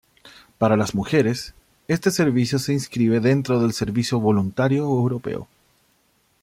Para las mujeres, este servicio se inscribe dentro del Servicio Voluntario Europeo.